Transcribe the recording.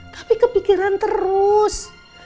tapi kepikiran terus